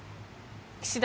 岸田